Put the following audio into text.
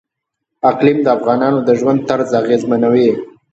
اقلیم د افغانانو د ژوند طرز اغېزمنوي.